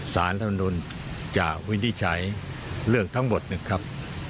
สารธรรมนุนจะวินิจฉัยเรื่องทั้งหมดนะครับ